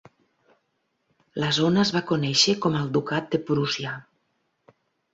La zona es va conèixer com el Ducat de Prússia.